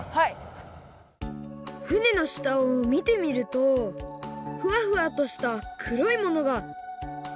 船のしたをみてみるとふわふわとしたくろいものが。